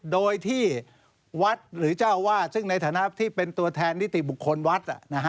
โดยที่วัดหรือเจ้าวาดซึ่งในฐานะที่เป็นตัวแทนนิติบุคคลวัด